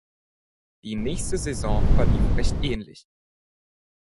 Die nächste Saison verlief recht ähnlich.